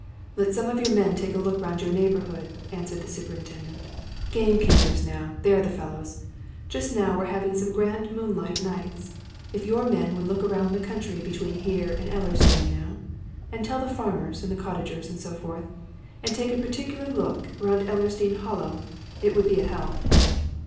"Let some of your men take a look round your neighbourhood," answered the superintendent. "Gamekeepers, now they're the fellows! Just now we're having some grand moonlight nights. If your men would look about the country between here and Ellersdeane, now? And tell the farmers, and the cottagers, and so forth, and take a particular look round Ellersdeane Hollow. It would be a help."